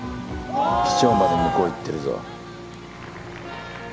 市長まで向こう行ってるぞ。